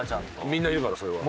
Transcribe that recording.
みんないるからそれは。